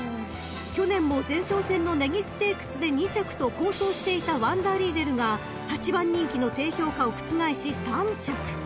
［去年も前哨戦の根岸ステークスで２着と好走していたワンダーリーデルが８番人気の低評価を覆し３着］